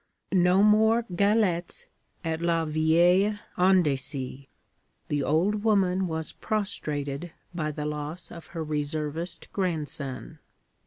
No more galettes at 'la vieille Andecy': the old woman was prostrated by the loss of her reservist grandson.